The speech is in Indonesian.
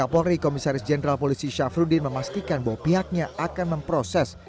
kapolri komisaris jenderal polisi syafruddin memastikan bahwa pihaknya akan memproses